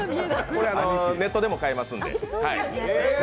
これはネットでも買えますんで。